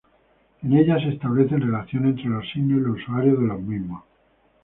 En ella se establecen relaciones entre los signos y los usuarios de los mismos.